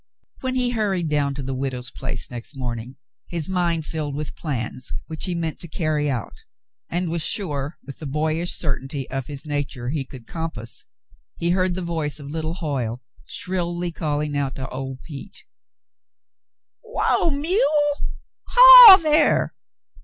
When he hurried down to the widow's place next morning, his mind filled with plans which he meant to carry out and was sure, with the boyish certainty of his nature he could compass, he heard the voice of little Hoyle shrilly calling to old Pete: "Whoa, mule. Haw there.